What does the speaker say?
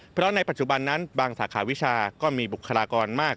เพราะในปัจจุบันนั้นบางสาขาวิชาก็มีบุคลากรมาก